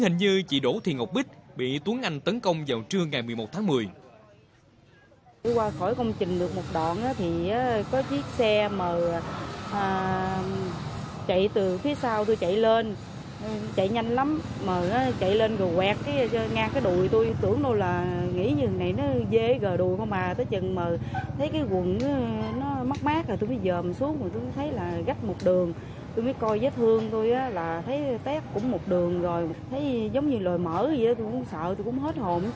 hãy đăng ký kênh để ủng hộ kênh của mình nhé